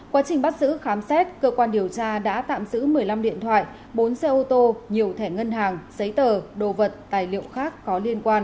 quá trình bắt giữ khám xét cơ quan điều tra đã tạm giữ một mươi năm điện thoại bốn xe ô tô nhiều thẻ ngân hàng giấy tờ đồ vật tài liệu khác có liên quan